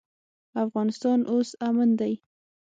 افغانستان اوس امن دی.